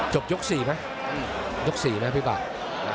จบยกสี่ไหมยกสี่นะพี่บ้าง